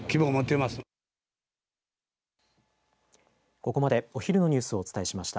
ここまでお昼のニュースをお伝えしました。